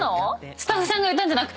スタッフさんが言ったんじゃなくて？